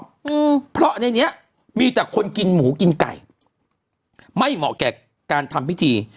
อืมเพราะในเนี้ยมีแต่คนกินหมูกินไก่ไม่เหมาะแก่การทำพิธี